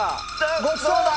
ごちそうだ！